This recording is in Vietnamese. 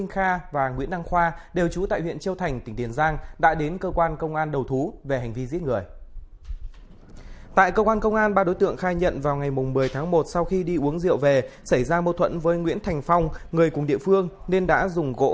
các bạn hãy đăng ký kênh để ủng hộ kênh của chúng mình nhé